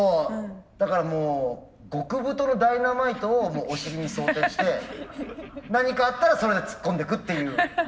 だからもう極太のダイナマイトをお尻に装して何かあったらそれで突っ込んでくっていう。